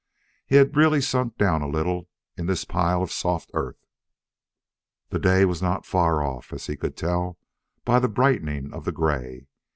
He had really sunk down a little in this pile of soft earth. The day was not far off, as he could tell by the brightening of the gray.